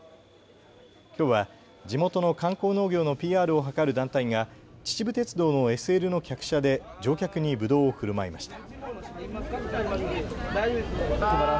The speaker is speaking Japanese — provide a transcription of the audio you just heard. きょうは地元の観光農業のＰＲを図る団体が秩父鉄道のＳＬの客車で乗客にぶどうをふるまいました。